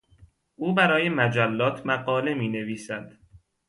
او برای مجلات مقاله مینویسد.